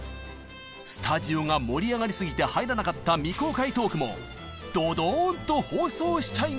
スタジオが盛り上がりすぎて入らなかった未公開トークもドドーンと放送しちゃいます！